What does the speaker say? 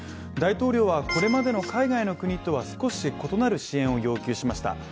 大統領はこれまでの海外の国とは少し異なる支援を要求しました。